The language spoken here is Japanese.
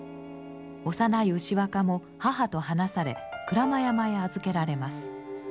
幼い牛若も母と離され鞍馬山へ預けられます。